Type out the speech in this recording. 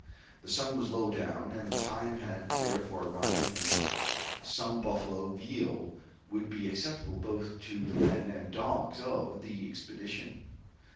The sun was low down; and the time had therefore arrived when some buffalo veal would be acceptable both to the men and dogs of the expedition.